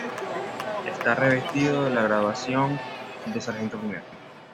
Está revestido de la graduación de sargento primero.